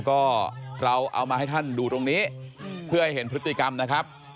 ก็เราเอามาให้ท่านดูตรงนี้เพื่อให้เห็นพฤติกรรมนะครับ